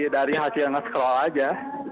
dari hasil yang nge scroll aja